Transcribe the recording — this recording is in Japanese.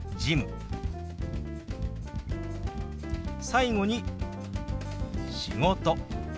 最後に「仕事」。